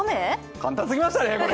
簡単すぎましたね、これ。